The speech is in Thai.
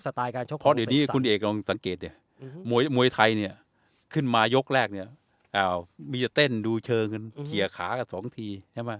เสกสรรไม่ใช่